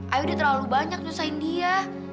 ayo udah terlalu banyak nyusahin dia